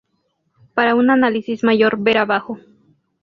Para un análisis mayor ver abajo.